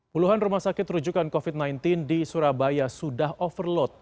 puluhan rumah sakit rujukan covid sembilan belas di surabaya sudah overload